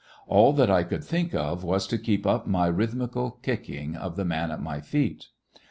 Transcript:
All that I could think of was to keep up my rhythmical kicking of the man at my feet.